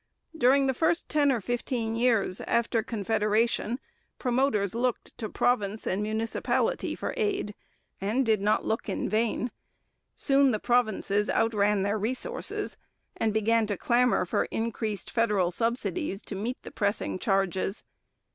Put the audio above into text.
During the first ten or fifteen years after Confederation promoters looked to province and municipality for aid, and did not look in vain. Soon the provinces outran their resources, and began to clamour for increased federal subsidies to meet the pressing charges.